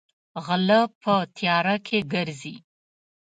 غلۀ پۀ تيارۀ کښې ګرځي ـ